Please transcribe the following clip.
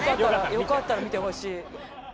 よかったら見てほしい。